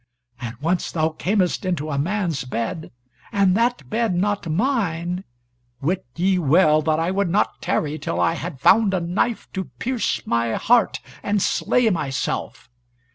And once thou camest into a man's bed, and that bed not mine, wit ye well that I would not tarry till I had found a knife to pierce my heart and slay myself.